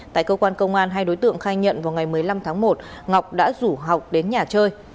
tại cơ quan công an hai đối tượng khai nhận vào ngày một mươi năm tháng một ngọc đã rủ học đến nhà chơi